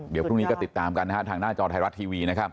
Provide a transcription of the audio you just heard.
เดี๋ยวพรุ่งนี้ก็ติดตามกันนะฮะทางหน้าจอไทยรัฐทีวีนะครับ